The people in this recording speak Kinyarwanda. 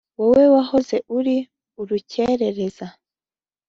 Wowe wahoze uri urukerereza